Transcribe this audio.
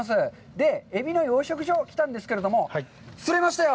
で、エビの養殖場、来たんですけれども、釣れましたよ！